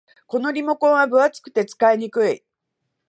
このリモコンは分厚くて使いにくい